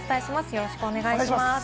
よろしくお願いします。